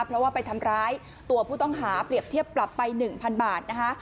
เพราะว่าไปทำร้ายตัวผู้ต้องหาเปรียบเทียบปรับไป๑๐๐บาทนะคะ